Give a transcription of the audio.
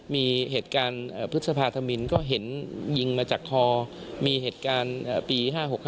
มีเหตุการณ์พฤษภาธมินก็เห็นยิงมาจากคอมีเหตุการณ์ปี๕๖๕